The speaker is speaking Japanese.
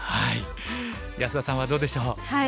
安田さんはどうでしょう？